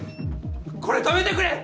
これ止めてくれ！